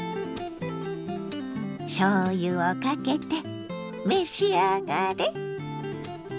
しょうゆをかけて召し上がれ！